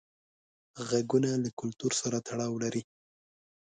غږونه له کلتور سره تړاو لري.